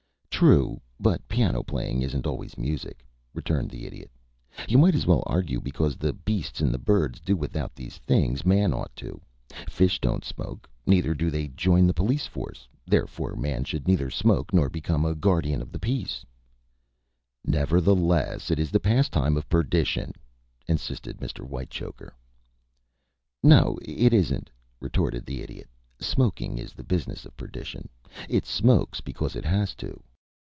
"True; but piano playing isn't always music," returned the Idiot. "You might as well argue because the beasts and the birds do without these things man ought to. Fish don't smoke, neither do they join the police force, therefore man should neither smoke nor become a guardian of the peace." [Illustration: "PIANO PLAYING ISN'T ALWAYS MUSIC"] "Nevertheless it is a pastime of perdition," insisted Mr. Whitechoker. "No, it isn't," retorted the Idiot. "Smoking is the business of perdition. It smokes because it has to."